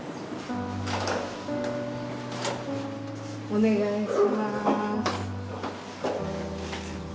お願いします。